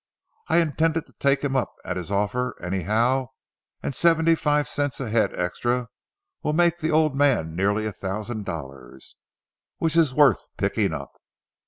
I intended to take him up at his offer, anyhow, and seventy five cents a head extra will make the old man nearly a thousand dollars, which is worth picking up.